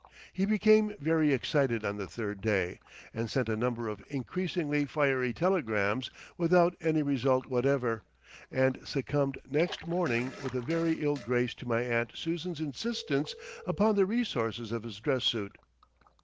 He became very excited on the third day, and sent a number of increasingly fiery telegrams without any result whatever, and succumbed next morning with a very ill grace to my aunt Susan's insistence upon the resources of his dress suit.